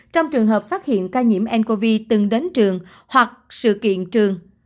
trong trường hợp phát hiện ca nhiễm ncov từng đến trường hoặc sự kiện trường